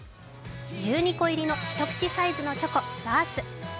１２個入りの一口サイズのチョコ、ＤＡＲＳ。